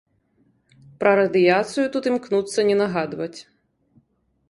Пра радыяцыю тут імкнуцца не нагадваць.